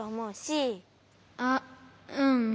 あっうん。